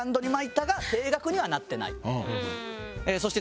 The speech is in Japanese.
そして。